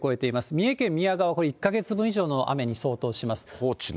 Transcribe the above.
三重県宮川、これ、１か月分以上の雨に相当します。